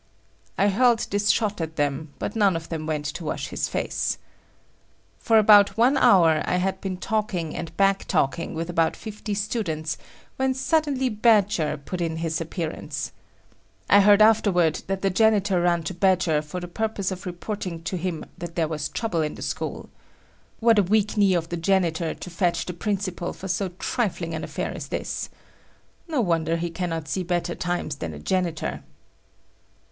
I hurled this shot at them, but none of them went to wash his face. For about one hour, I had been talking and back talking with about fifty students when suddenly Badger put in his appearance. I heard afterward that the janitor ran to Badger for the purpose of reporting to him that there was a trouble in the school. What a weak knee of the janitor to fetch the principal for so trifling an affair as this! No wonder he cannot see better times than a janitor.